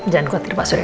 jangan khawatir pak surya